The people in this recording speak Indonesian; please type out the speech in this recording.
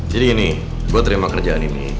jadi gini gue terima kerjaan ini